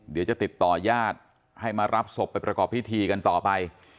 เดี๋ยวจะติดต่อญาติให้มารับศพไปประกอบพิธีกันต่อไป